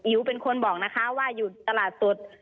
เป็นคนบอกนะคะว่าอยู่ตลาดสด